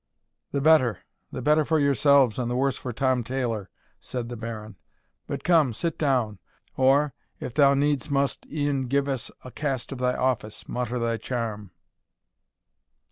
"The better the better for yourselves, and the worse for Tom Tailor," said the Baron; "but come, sit down, or, if thou needs must e'en give us a cast of thy office, mutter thy charm."